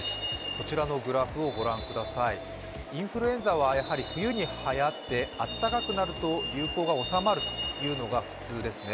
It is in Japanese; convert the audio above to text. こちらのグラフをご覧くださいインフルエンザは冬にはやってあったかくなると流行が収まるというのが普通ですね。